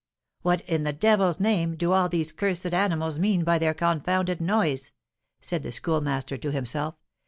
"What, in the devil's name, do all these cursed animals mean by their confounded noise?" said the Schoolmaster to himself.